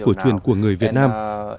của truyền của người việt nam